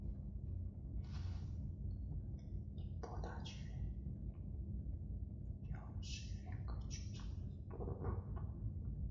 宁波大剧院设有两座剧场。